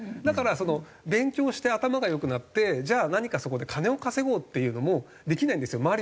だからその勉強して頭が良くなってじゃあ何かそこで金を稼ごうっていうのもできないんですよ。